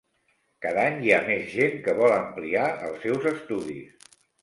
Cada any hi ha més gent que vol ampliar els seus estudis.